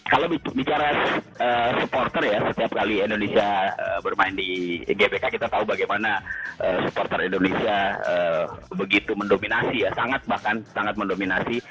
kalau bicara supporter ya setiap kali indonesia bermain di gbk kita tahu bagaimana supporter indonesia begitu mendominasi ya sangat bahkan sangat mendominasi